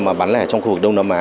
mà bán lẻ trong khu vực đông nam á